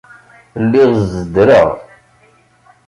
Lliɣ zeddreɣ.